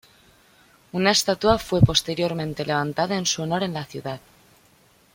Una estatua fue posteriormente levantada en su honor en la ciudad.